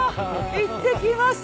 いってきます。